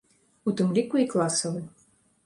У тым ліку і класавы.